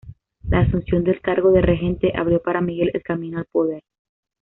La asunción del cargo de regente abrió para Miguel el camino al poder.